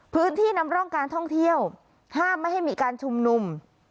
พื้นที่นำร่องการท่องเที่ยวห้ามไม่ให้มีการชุมนุม